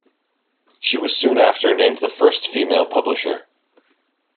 She was soon after named the first female publisher.